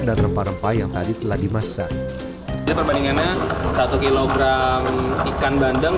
dan rempah rempah yang tadi telah dimasak perbandingannya satu kilogram ikan bandeng